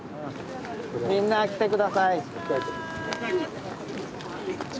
みんな来て下さい。